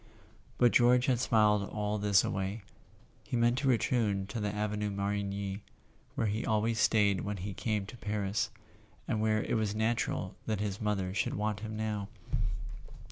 But George had smiled all this away. He meant to return to the Avenue Marigny, where he always stayed when he came to Paris, and where it was natural that his mother should want him now.